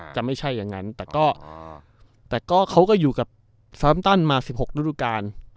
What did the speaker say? จะไม่ใช่อย่างนั้นแต่ก็เขาก็อยู่กับทรัมตันมา๑๖ฤดูการ